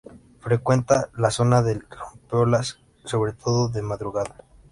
Frecuenta la zona del rompeolas, sobre todo de madrugada.